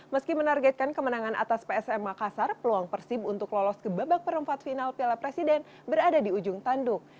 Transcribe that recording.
meski menargetkan kemenangan atas psm makassar peluang persib untuk lolos ke babak perempat final piala presiden berada di ujung tanduk